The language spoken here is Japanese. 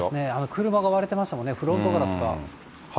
車が割れてましたもんね、フロントガラスが。